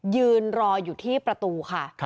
ยืนรออยู่ที่ประตูค่ะ